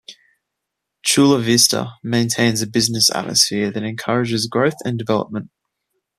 Chula Vista maintains a business atmosphere that encourages growth and development.